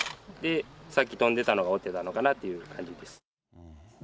さっき飛んでたのが落ちてたのかなって感じです。